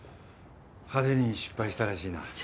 派手に失敗したらしいな。